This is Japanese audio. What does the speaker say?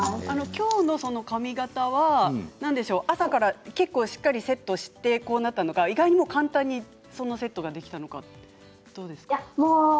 きょうのその髪形は朝からしっかりセットしてそうなったのか意外と簡単にそのセットができたのか、どうですか？